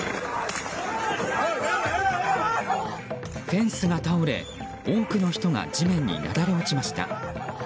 フェンスが倒れ、多くの人が地面になだれ落ちました。